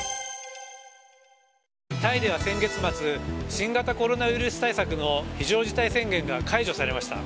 タイでは先月末新型コロナウイルス対策の非常事態宣言が解除されました。